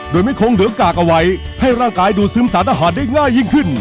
โดยไม่คงเหลืองกากเอาไว้ให้ร่างกายดูซึมสารอาหารได้ง่ายยิ่งขึ้น